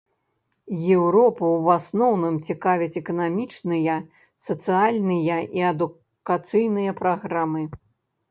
Еўропу ў асноўным цікавяць эканамічныя, сацыяльныя і адукацыйныя праграмы.